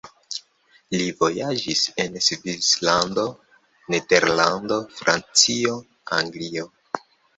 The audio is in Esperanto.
Li vojaĝis en Svislando, Nederlando, Francio, Anglio.